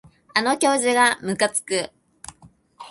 あの教授がむかつく